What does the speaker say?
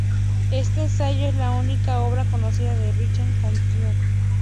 Este ensayo es la única obra conocida de Richard Cantillon.